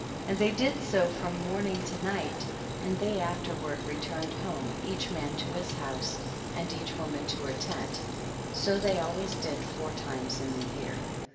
15. And they did so from morn ing to night, and they afterward re turned home each man to his house and each woman to her lent ; so they always did four times in the year.